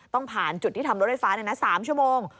ต้องผ่านจุดที่ทำรถไฟฟ้า๓ชั่วโมง